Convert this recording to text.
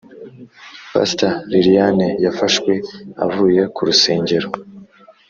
Paster liliane yafashwe avuye kurusengero